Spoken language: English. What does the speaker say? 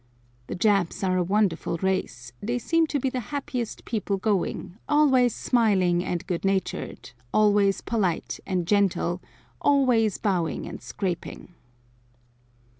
The Japs are a wonderful race; they seem to be the happiest people going, always smiling and good natured, always polite and gentle, always bowing and scraping.